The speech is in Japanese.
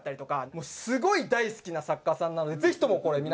すごい大好きな作家さんなのでぜひともこれ皆さん